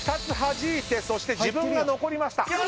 ２つはじいてそして自分が残りました！